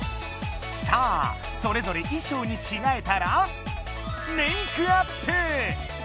さあそれぞれいしょうにきがえたらメークアップ！